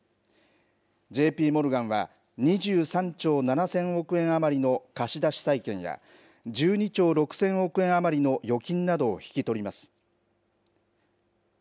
ＪＰモルガンは、２３兆７０００億円余りの貸出債権や、１２兆６０００億円余りの預金などを引き取ります。